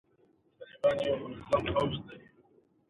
اکثره راپورنه چې د داخل نه مستقلې ادارې تر لاسه کوي